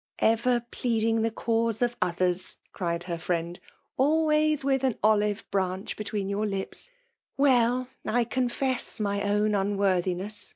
<< Ever pleading the cause of others," eried hear fiocand ;'' always with an olive branch be tween your lips! — Well! I confess my own unworthiness.